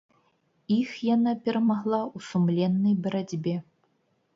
Іх яна перамагла ў сумленнай барацьбе.